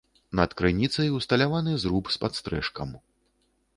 Над крыніцай усталяваны зруб з падстрэшкам.